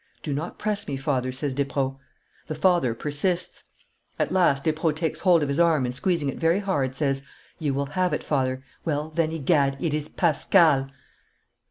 'Do not press me, father,' says Despreaux. The father persists. At last Despreaux takes hold of his arm, and squeezing it very hard, says, 'You will have it, father; well, then, egad! it is Pascal.